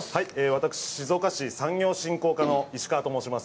私、静岡市産業振興課の石川と申します。